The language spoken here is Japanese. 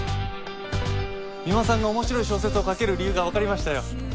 三馬さんが面白い小説を書ける理由がわかりましたよ。